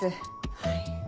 はい。